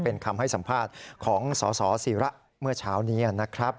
เป็นคำให้สัมภาษณ์ของสสิระเมื่อเช้านี้นะครับ